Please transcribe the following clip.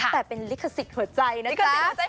แต่เป็นริขสิตหัวใจนะคะ